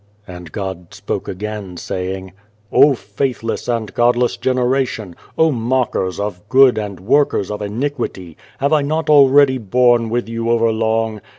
And God spoke again saying :" O faithless and godless generation! O mockers of good and workers of iniquity ! have I not already borne with you over long